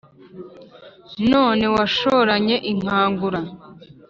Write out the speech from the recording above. None washoranye inkangura